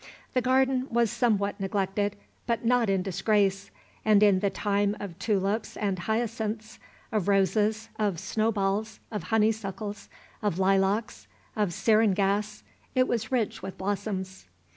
The garden was somewhat neglected, but not in disgrace, and in the time of tulips and hyacinths, of roses, of "snowballs," of honeysuckles, of lilacs, of syringas, it was rich with blossoms.